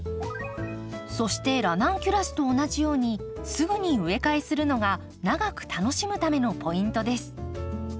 そしてラナンキュラスと同じようにすぐに植え替えするのが長く楽しむためのポイントです。